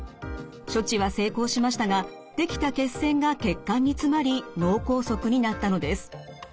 処置は成功しましたが出来た血栓が血管に詰まり脳梗塞になったのです。